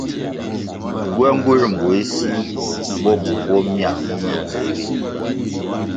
Gywenguē mbuéh si bo bur bo mia mi yi dzihri.